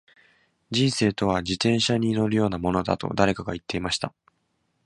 •人生とは、自転車に乗るようなものだと誰かが言っていました。